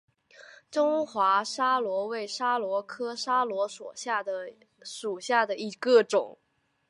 中华桫椤为桫椤科桫椤属下的一个种。